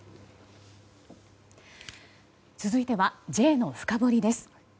続いてはＪのフカボリです。